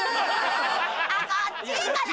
あっこっちかな？